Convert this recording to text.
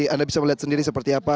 anda bisa melihat sendiri seperti apa